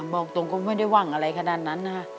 บอกตรงก็ไม่ได้ว่างอะไรขนาดนั้นนะคะ